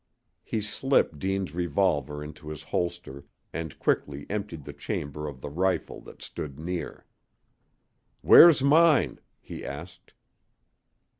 He slipped Deane's revolver into his holster and quickly emptied the chamber of the rifle that stood near. "Where's mine?" he asked.